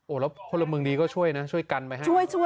แล้วพลเมืองดีก็ช่วยนะช่วยกันไหมฮะ